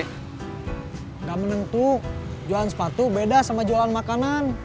tidak menentu jualan sepatu beda sama jualan makanan